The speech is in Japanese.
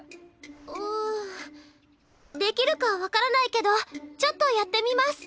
うんできるか分からないけどちょっとやってみます。